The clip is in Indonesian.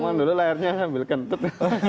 emang dulu layarnya sambil kentut